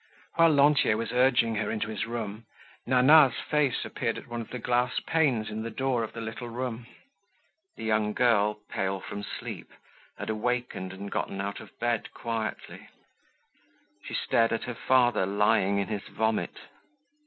While Lantier was urging her into his room, Nana's face appeared at one of the glass panes in the door of the little room. The young girl, pale from sleep, had awakened and gotten out of bed quietly. She stared at her father lying in his vomit.